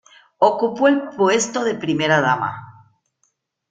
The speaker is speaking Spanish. Ocupó el puesto de Primera dama.